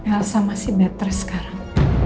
elsa masih better sekarang